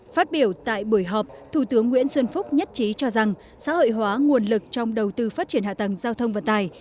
phát biểu tại buổi họp thủ tướng nguyễn xuân phúc nhất trí cho rằng xã hội hóa nguồn lực trong đầu tư phát triển hạ tầng giao thông vận tài